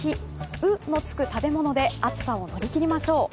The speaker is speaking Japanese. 「う」のつく食べ物で暑さを乗り切りましょう。